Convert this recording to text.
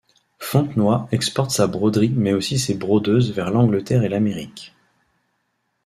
Fontenoy exporte sa broderie mais aussi ses brodeuses vers l'Angleterre et l'Amérique.